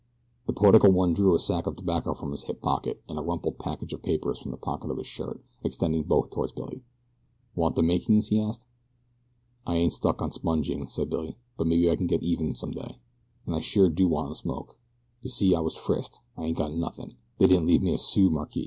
The poetical one drew a sack of tobacco from his hip pocket and a rumpled package of papers from the pocket of his shirt, extending both toward Billy. "Want the makings?" he asked. "I ain't stuck on sponging," said Billy; "but maybe I can get even some day, and I sure do want a smoke. You see I was frisked. I ain't got nothin' they didn't leave me a sou markee."